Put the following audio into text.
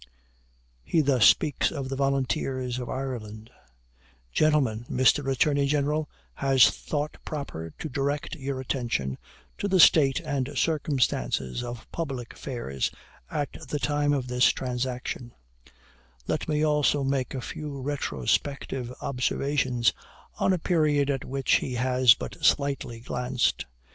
He thus speaks of the Volunteers of Ireland: "Gentlemen, Mr. Attorney General has thought proper to direct your attention to the state and circumstances of public affairs at the time of this transaction: let me also make a few retrospective observations on a period at which he has but slightly glanced.